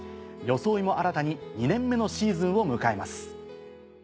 装いも新たに２年目のシーズンを迎えます。